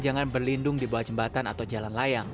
jangan berlindung di bawah jembatan atau jalan layang